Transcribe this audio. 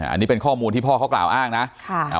อันนี้เป็นข้อมูลที่พ่อเขากล่าวอ้างนะ